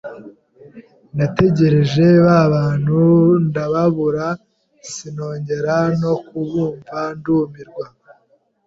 nategereje babantu ndababura sinongera no kubumva, ndumirwa